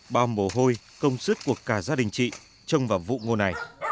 bao mồ hôi công sức của cả gia đình chị trông vào vụ ngô này